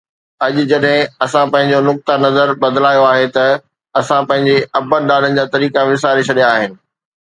اڄ جڏهن اسان پنهنجو نقطه نظر بدلايو آهي ته اسان پنهنجي ابن ڏاڏن جا طريقا وساري ڇڏيا آهن